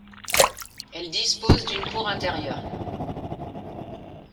Elle dispose d'une cour intérieure.